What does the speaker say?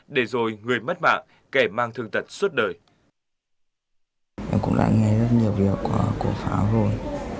để rồi người mất mạng kẻ mang thương tật suốt đời